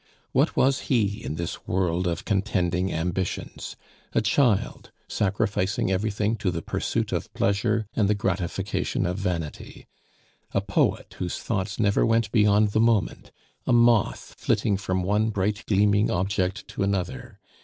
What was he in this world of contending ambitions? A child sacrificing everything to the pursuit of pleasure and the gratification of vanity; a poet whose thoughts never went beyond the moment, a moth flitting from one bright gleaming object to another.